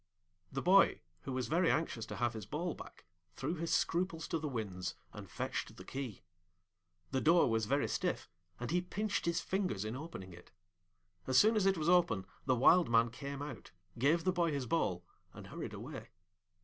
The boy, who was very anxious to have his ball back, threw his scruples to the winds, and fetched the key. The door was very stiff, and he pinched his fingers in opening it. As soon as it was open the Wild Man came out, gave the boy his ball, and hurried away.